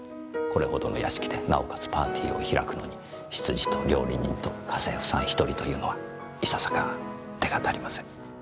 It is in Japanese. これほどの屋敷でなおかつパーティーを開くのに執事と料理人と家政婦さん１人というのはいささか手が足りません。